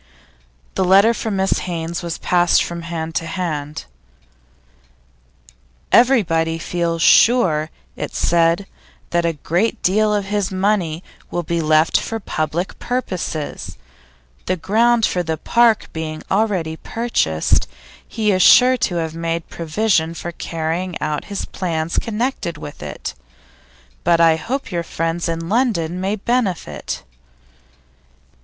The letter from Mrs Haynes was passed from hand to hand. 'Everybody feels sure,' it said, 'that a great deal of his money will be left for public purposes. The ground for the park being already purchased, he is sure to have made provision for carrying out his plans connected with it. But I hope your friends in London may benefit.